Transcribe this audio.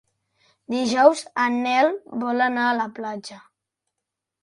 Dijous en Nel vol anar a la platja.